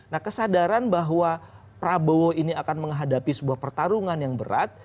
nah kesadaran bahwa prabowo ini akan menghadapi sebuah pertarungan yang berat